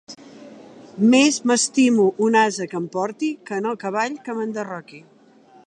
Més m'estimo un ase que em porti, que no cavall que m'enderroqui.